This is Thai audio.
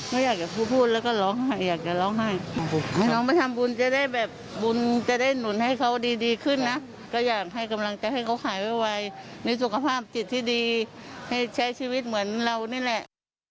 ไม่อยากจะพูดพูดแล้วก็ร้องไห้อยากจะร้องไห้ให้น้องไปทำบุญจะได้แบบบุญจะได้หนุนให้เขาดีขึ้นนะก็อยากให้กำลังใจให้เขาหายไวในสุขภาพจิตที่ดีให้ใช้ชีวิตเหมือนเรานี่แหละ